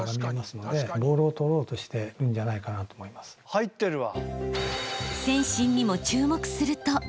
入ってるわ！